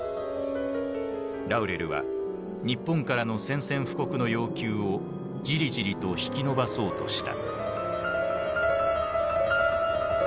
ラウレルは日本からの宣戦布告の要求をじりじりと引き延ばそうとした。